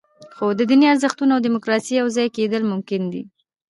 خو د دیني ارزښتونو او دیموکراسۍ یوځای کېدل ممکن دي.